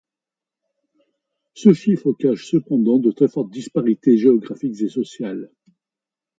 Ce chiffre cache cependant de très fortes disparités géographiques et sociales.